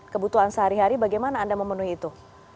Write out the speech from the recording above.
kebutuhan sehari hari bagaimana anda memenuhi itu